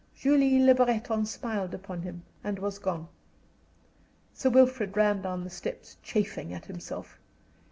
Julie Le Breton smiled upon him and was gone. Sir Wilfrid ran down the steps, chafing at himself.